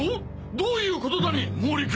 どういうことだね毛利君！